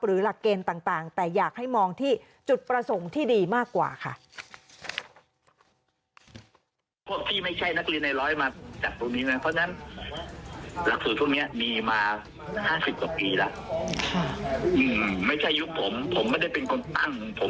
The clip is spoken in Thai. หลักเกณฑ์ต่างแต่อยากให้มองที่จุดประสงค์ที่ดีมากกว่าค่ะ